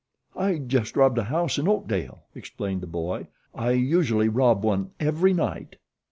"I just robbed a house in Oakdale," explained the boy. "I usually rob one every night."